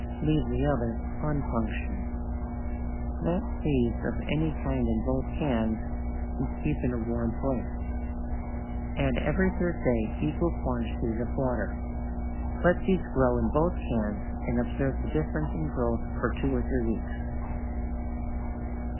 Leave the other unpunctured. Plant seeds of any kind in both cans and keep in a warm place. Add every third day equal quantities of water. Let seeds grow in both cans and observe the difference in growth for two or three weeks.